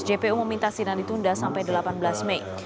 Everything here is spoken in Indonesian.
jpu meminta sidang ditunda sampai delapan belas mei